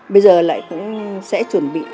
bây giờ lại cũng sẽ chuẩn bị